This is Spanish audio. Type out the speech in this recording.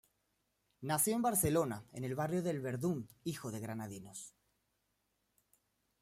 Nació en Barcelona, en el barrio del Verdún, hijo de granadinos.